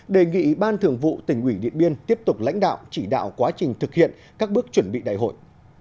đề nghị ban thường vụ tỉnh ủy điện biên tiếp tục lãnh đạo chỉ đạo quá trình thực hiện các bước chuẩn bị đại hội